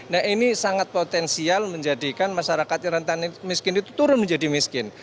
nah ini sangat potensial menjadikan masyarakat yang rentan miskin itu turun menjadi miskin